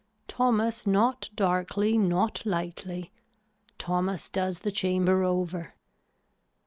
Thomas not darkly not lightly, Thomas does the chamber over.